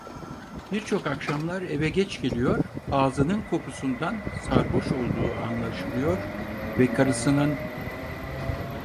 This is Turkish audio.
Birçok akşamlar eve geç geliyor, ağzının kokusundan sarhoş olduğu anlaşılıyor ve karısının: